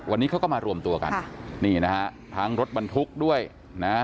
วันนี้เขาก็มารวมตัวกันค่ะนี่นะฮะทั้งรถบรรทุกด้วยนะฮะ